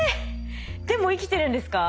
でも生きてるんですか？